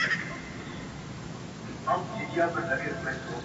زما د وطــن پيـــغـــــلو خو غمونــــه دي گاللي”